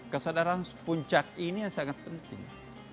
kesadaran puncak ini yang sangat penting